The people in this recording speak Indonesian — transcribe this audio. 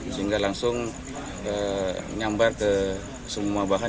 sehingga langsung nyambar ke semua bahan